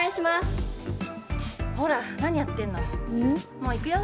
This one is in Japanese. もういくよ。